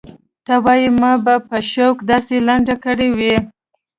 ته وايې ما به په شوق داسې لنډه کړې وي.